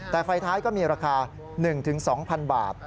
แต่ไฟท้ายก็มีราคา๑๒๐๐๐บาท